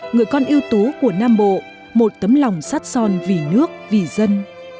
người con yêu tú của nam bộ một tấm lòng sát son vì nước vì dân